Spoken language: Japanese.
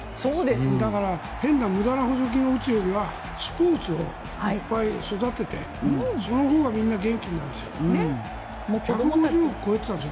だから変な無駄な補助金を打つよりはスポーツをもっといっぱい育ててそのほうがみんな元気になりますよ。